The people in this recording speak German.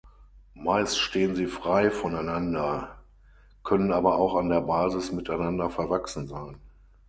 Meist stehen sie frei voneinander, können aber auch an der Basis miteinander verwachsen sein.